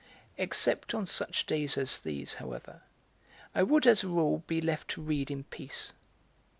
Except on such days as these, however, I would as a rule be left to read in peace.